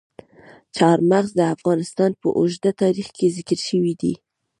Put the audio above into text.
چار مغز د افغانستان په اوږده تاریخ کې ذکر شوي دي.